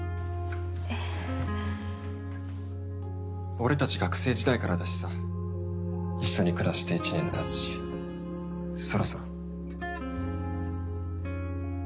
俺たち学生時代からだしさ一緒に暮らして１年たつしそろそろ。